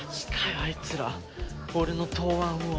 あいつら俺の答案を。